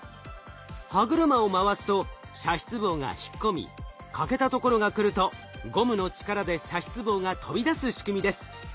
歯車を回すと射出棒が引っ込み欠けたところが来るとゴムの力で射出棒が飛び出す仕組みです。